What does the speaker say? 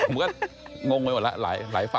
ผมก็งงไปหมดแล้วหลายฝ่าย